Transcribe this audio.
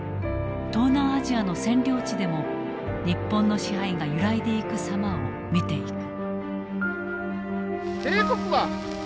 東南アジアの占領地でも日本の支配が揺らいでいく様を見ていく。